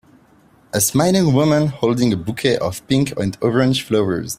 A smiling woman holding a bouquet of pink and orange flowers.